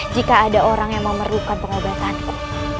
jika ada orang yang memerlukan pengobatanku